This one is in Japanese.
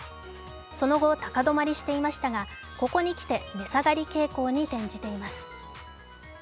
その後、高止まりしていましたが、ここにきて値下がり傾向に転じています。